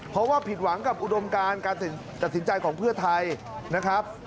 เพราะว่าผิดหวังกับอุดมการการตัดสินใจของเพื่อไทยนะครับ